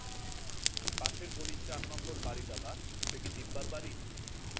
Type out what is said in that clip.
পাশের গলির চার নম্বর বাড়ি দাদা, এটা কি দিব্যার বাড়ি?